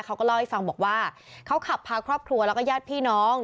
เขาก็เล่าให้ฟังบอกว่าเขาขับพาครอบครัวแล้วก็ญาติพี่น้อง